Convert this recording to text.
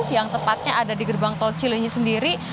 yang tepatnya ada di gerbang tol cilinyi sendiri